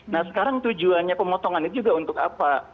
nah sekarang tujuannya pemotongan itu juga untuk apa